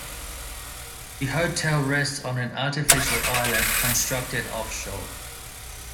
The hotel rests on an artificial island constructed offshore.